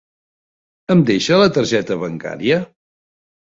Em deixa la targeta bancària?